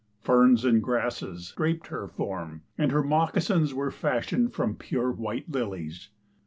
Ferns and grasses draped her form and her moccasins were fashioned from pure white lilies.